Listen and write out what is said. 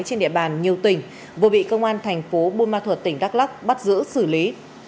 trên địa bàn nhiều tỉnh vừa bị công an thành phố buôn ma thuật tỉnh đắk lắc bắt giữ xử lý